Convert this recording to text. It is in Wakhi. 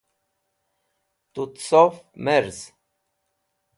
tut sof merz